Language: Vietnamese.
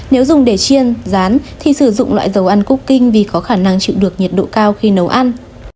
nếu dùng để chiên rán thì sử dụng loại dầu ăn quốc kinh vì có khả năng chịu được nhiệt độ cao khi nấu ăn